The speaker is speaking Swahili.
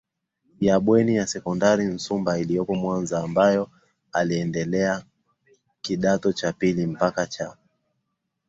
ya Bweni ya Sekondari Nsumba iliyopo Mwanza ambapo aliendelea kidato cha pili mpaka cha